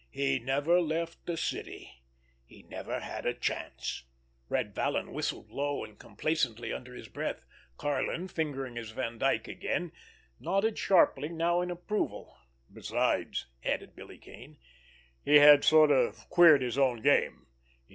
He never left the city—he never had a chance." Red Vallon whistled low and complacently under his breath; Karlin, fingering his Vandyke again, nodded sharply now in approval. "Besides," added Billy Kane, "he had sort of queered his own game.